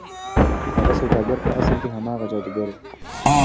هغه سوداګر په اصل کې هماغه جادوګر و.